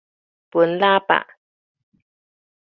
歕喇叭